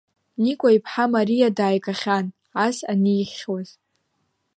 Никәа иԥҳа Мариа дааигахьан, ас анихьуаз.